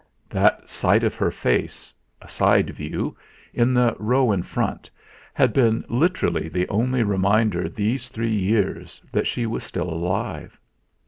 That sight of her face a side view in the row in front, had been literally the only reminder these three years that she was still alive.